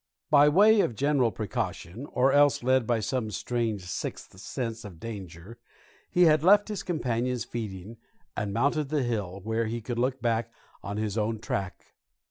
By way of general precaution, or else led by some strange sixth sense of danger, he had left his companions feeding and mounted the hill, where he could look back on his own track.